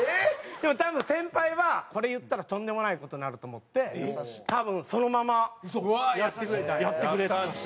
でも多分先輩はこれ言ったらとんでもない事になると思って多分そのままやってくれてましたね。